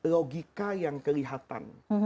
logika yang kelihatan